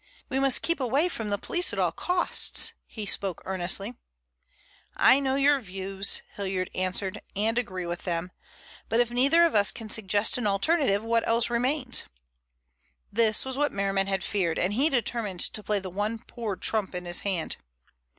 "We must keep away from the police at all costs." He spoke earnestly. "I know your views," Hilliard answered, "and agree with them. But if neither of us can suggest an alternative, what else remains?" This was what Merriman had feared and he determined to play the one poor trump in his hand.